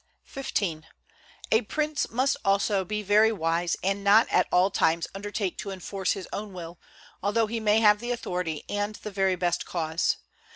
XV. A prince must also be very wise and not at all times undertake to enforce his own will, although he may have the authority and the very best cause.